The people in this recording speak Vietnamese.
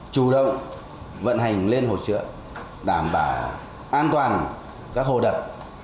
chủ động vận hành lên hồ trượng đảm bảo an toàn các hồ đập